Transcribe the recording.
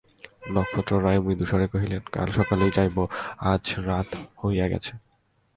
নক্ষত্ররায় মৃদুস্বরে কহিলেন, কাল সকালেই যাইব, আজ রাত হইয়া গেছে।